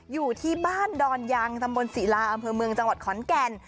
อยู่ที่บ้านดอนยังตำบลศิลาอำเภอเมืองจังหวัดขอนแก่น